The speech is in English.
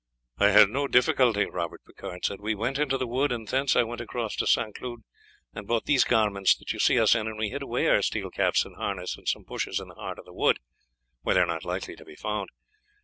"We had no difficulty," Robert Picard said. "We went into the wood, and thence I went across to St. Cloud and bought these garments that you see us in, and we hid away our steel caps and harness in some bushes in the heart of the wood, where they are not likely to be found.